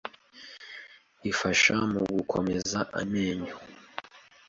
ifasha mu gukomeza amenyo,